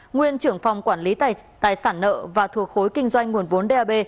nguyên trưởng phòng quản lý tài sản nợ và thuộc khối kinh doanh nguồn vốn dap